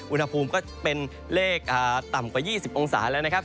อุณหภูมิก็เป็นเลขต่ำกว่า๒๐องศาแล้วนะครับ